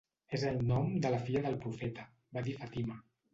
"És el nom de la filla del Profeta", va dir Fatima.